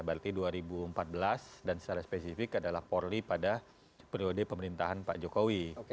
berarti dua ribu empat belas dan secara spesifik adalah polri pada periode pemerintahan pak jokowi